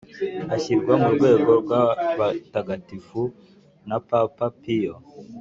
ashyirwa mu rwego rw’abatagatifu na papa piyo